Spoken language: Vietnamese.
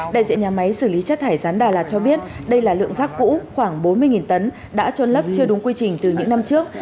đại diện nhà máy xử lý chất thải rán đà lạt cho biết đây là lượng rác cũ khoảng bốn mươi tấn đã trôn lấp chưa đúng quy trình từ những năm trước